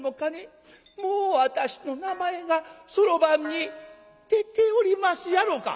もう私の名前がそろばんに出ておりますやろか」。